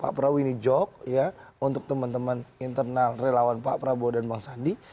pak prabowo ini joke ya untuk teman teman internal relawan pak prabowo dan bang sandi